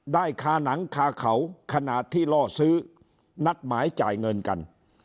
ได้คาหนังคาเขาขณะที่ล่อซื้อนัดหมายจ่ายเงินกัน